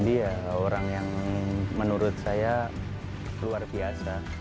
dia orang yang menurut saya luar biasa